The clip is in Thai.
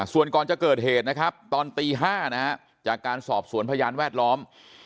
ส่วนก่อนจะเกิดเหตุนะครับตอนตี๕นะฮะจากการสอบสวนพยานแวดล้อม